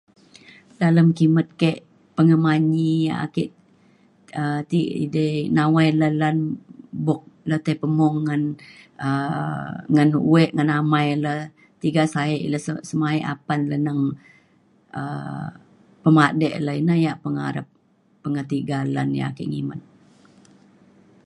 Dalem kimet ke pengemanyi ake um ti edei nawai lan lan buk na ti pemung ngan um ngan wek ngan amai le tiga sa’e le se- semai apan le neng um pemadek le ina ia’ pengarep pengetiga lan ia’ ake ngimet